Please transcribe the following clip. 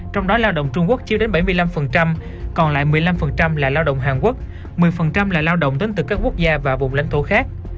trong đó lao động trung quốc chưa đến bảy mươi năm còn lại một mươi năm là lao động hàn quốc một mươi là lao động đến từ các quốc gia và vùng lãnh thổ khác